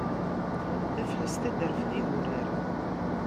Taflest ad d-terfed idurar.